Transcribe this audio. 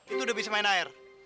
itu udah bisa main air